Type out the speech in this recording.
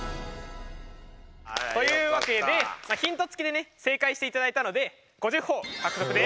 というわけでヒント付きでね正解していただいたので５０ほぉ獲得です。